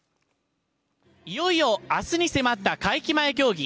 いよいよあすに迫った会期前競技。